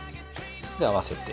合わせて。